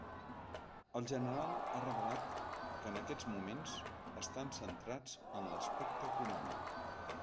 El general ha revelat que en aquests moments estan centrats en “l’aspecte econòmic”.